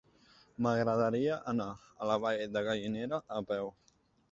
M'agradaria anar a la Vall de Gallinera a peu.